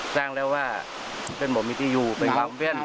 สร้างแล้วว่าเป็นหมดมีที่อยู่เป็นน้ำเบ้น